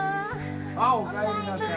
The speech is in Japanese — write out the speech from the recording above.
あっおかえりなさい。